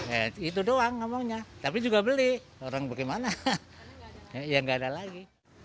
ya itu doang ngomongnya tapi juga beli orang bagaimana ya nggak ada lagi